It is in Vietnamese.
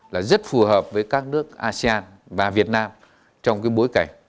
là rất phù hợp với các nước asean và việt nam trong cái bối cảnh